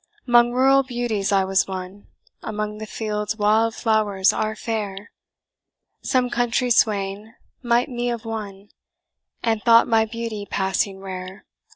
"'Mong rural beauties I was one, Among the fields wild flowers are fair; Some country swain might me have won, And thought my beauty passing rare.